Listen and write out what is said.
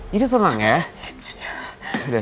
jadi tenang ya